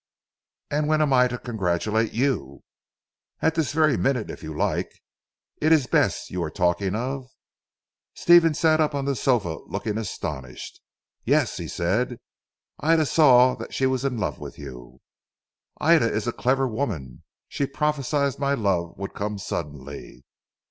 "And when am I to congratulate you?" "At this very minute if you like. Is it Bess you are talking of?" Stephen sat up on the sofa looking astonished. "Yes," he said, "Ida saw that she was in love with you " "Ida is a clever woman. She prophesied my love would come suddenly.